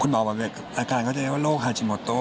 คุณหมอบังเวทอาการเขาจะเรียกว่าโรคฮาชิโมโต